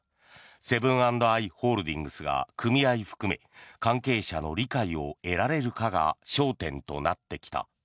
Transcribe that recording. セブン＆アイ・ホールディングスが、組合含め関係者の理解を得られるかが焦点となってきた。